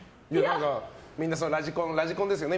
みんな、ラジコンですよね。